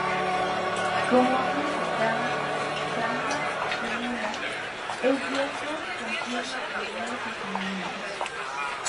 Como otras cícadas, "Zamia pumila" es dioico, con pies masculinos y femeninos.